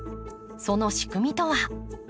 その仕組みとは？